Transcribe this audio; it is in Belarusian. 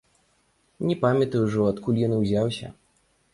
Не памятаю ўжо, адкуль ён і ўзяўся.